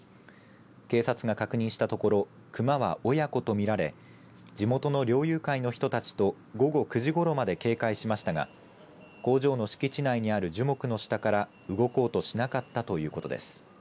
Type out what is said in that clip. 警察が確認したところ熊は親子と見られ地元の猟友会の人たちと午後９時ごろまで警戒しましたが工場の敷地内にある樹木の下から動こうとしなかったということです。